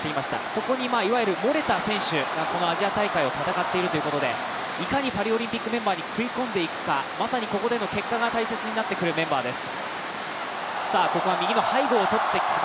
そこにいわゆる漏れた選手が、このアジア大会を戦っているということでいかにパリオリンピックメンバーに食い込んでいくかまさにここの結果が大切になってくるメンバーです。